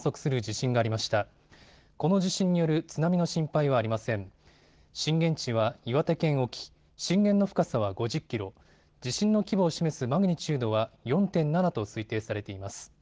震源地は岩手県沖、震源の深さは５０キロ、地震の規模を示すマグニチュードは４．７と推定されています。